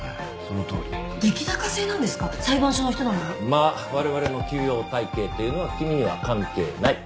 まあ我々の給与体系というのは君には関係ない。